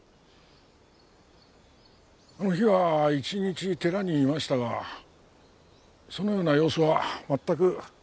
あの日は一日寺にいましたがそのような様子は全く。